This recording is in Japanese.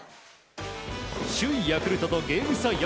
首位ヤクルトとゲーム差